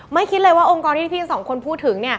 ไม่คิดเลยว่าองค์กรที่ที่พี่นสองคนพูดถึง